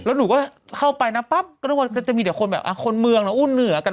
แล้วหนูก็เข้าไปนะปั๊บก็นึกว่าก็จะมีแต่คนแบบคนเมืองนะอุ้นเหนือกัน